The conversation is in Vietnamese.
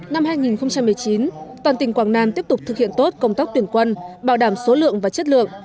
năm hai nghìn một mươi chín toàn tỉnh quảng nam tiếp tục thực hiện tốt công tác tuyển quân bảo đảm số lượng và chất lượng